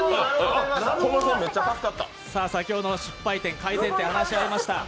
先ほどの失敗点改善点、話し合いました。